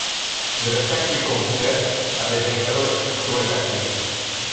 Zrestartuj komputer aby zainstalować aktualizację.